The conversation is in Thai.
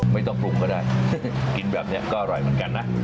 ไม่ต้องปรุงก็ได้กินแบบนี้ก็อร่อยเหมือนกันนะ